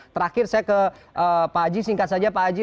terakhir saya ke pak haji singkat saja pak haji